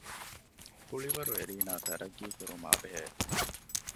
ކުޅިވަރު އެރީނާ ތަރައްޤީކުރުމާ ބެހޭ